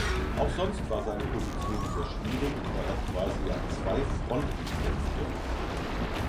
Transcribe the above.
Auch sonst war seine Position sehr schwierig, da er quasi an zwei Fronten kämpfte.